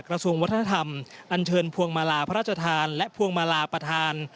อันเชิญพวงมาลาพระราชธานและพวงมาลาประธาน